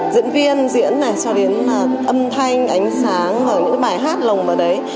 diễn viên diễn này cho đến âm thanh ánh sáng và những bài hát lồng vào đấy